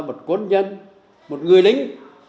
một quân nhân một người lính